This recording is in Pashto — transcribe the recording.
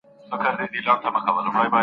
شکر وباسمه خدای ته په سجده سم